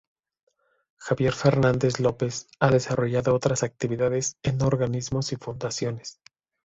Javier Fernández López ha desarrollado otras actividades en organismos y fundaciones.